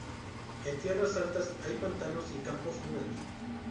En tierras altas hay pantanos y campos húmedos.